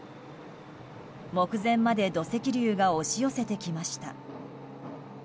目前まで土石流が押し寄せてきました。